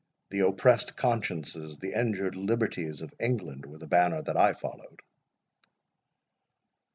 The oppressed consciences, the injured liberties of England, were the banner that I followed."